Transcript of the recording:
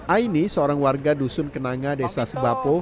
aini seorang warga dusun kenanga desa sebapo